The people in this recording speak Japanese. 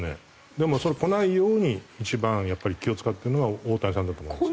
でもそれがこないように一番やっぱり気を使ってるのが大谷さんだと思います。